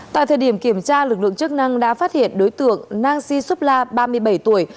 tại thời điểm kiểm tra lực lượng chức năng đã phát hiện đối tượng nang shisupla ba mươi bảy tuổi